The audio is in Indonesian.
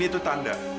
ini tuh tanda